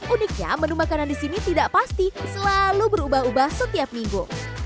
uniknya menu makanan di sini tidak pasti selalu berubah ubah setiap minggu